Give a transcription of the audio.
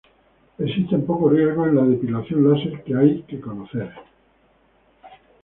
Existen pocos riesgos en la depilación láser que hay que conocer.